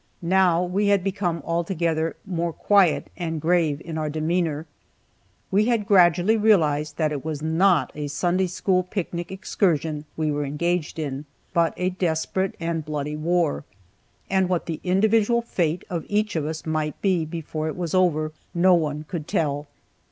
Now we had become altogether more quiet and grave in our demeanor. We had gradually realized that it was not a Sunday school picnic excursion we were engaged in, but a desperate and bloody war, and what the individual fate of each of us might be before it was over, no one could tell.